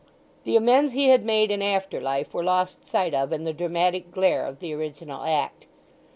The amends he had made in after life were lost sight of in the dramatic glare of the original act.